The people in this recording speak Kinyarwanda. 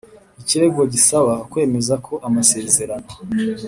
Ikirego gisaba kwemeza ko amasezerano